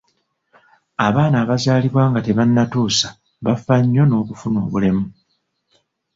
Abaana abazalibwa nga tebannatuusa bafa nnyo n'okufuna obulemu.